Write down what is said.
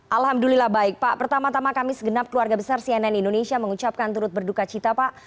alhamdulillah baik pak pertama tama kami segenap keluarga besar cnn indonesia mengucapkan turut berduka cita pak